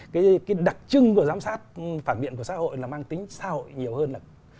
cái đặc trưng của giám sát phản biện của xã hội là mang tính xã hội nhiều hơn là